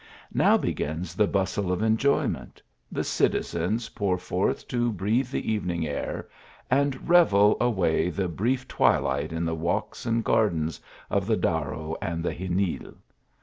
Now begins the bustle of enjoyment. The citi zenlPpour forth to breathe the evening air, and revel away the brief twilight in the walks and gar dens of the Darro and the Xenil.